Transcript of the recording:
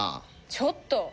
ちょっと！